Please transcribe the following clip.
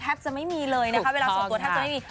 จะไม่มีเลยนะคะเวลาส่วนตัวแทบจะไม่มี